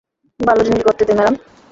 ভাল জিনিস ঘটতে দে, মারান।